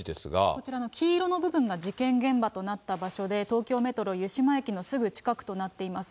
こちらの黄色の部分が事件現場となった場所で、東京メトロ湯島駅のすぐ近くとなっています。